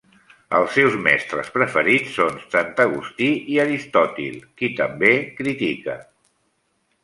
Els seus mestres preferits són Sant Agustí i Aristòtil, qui també critica.